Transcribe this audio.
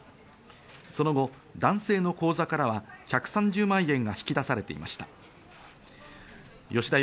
その後、男性の口座からは１３０万円が引き出されていました。